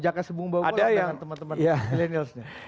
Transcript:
jaka sembung bawa bawa dengan teman teman milenial ini